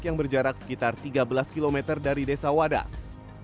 yang berjarak sekitar tiga belas km dari desa wadas